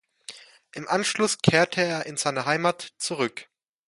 Im Anschluss kehrte er in seine Heimat zurück.